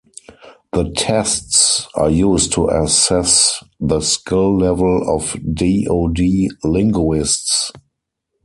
The tests are used to assess the skill level of DoD linguists.